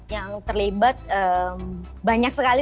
yang terlibat banyak sekali